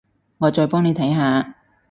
我就再幫下你